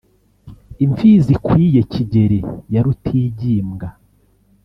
Imfizi ikwiye Kigeli Ya Rutigimbwa